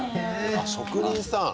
あっ職人さん。